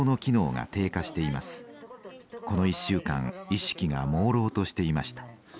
この１週間意識がもうろうとしていました。